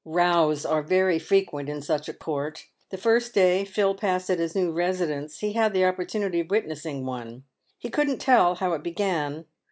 " Bows" are very frequent in such a court. The first day Phil passed at his new residence he had the opportunity of witnessing one. He couldn't tell how it began.